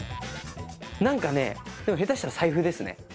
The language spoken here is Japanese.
何かね下手したら財布ですね。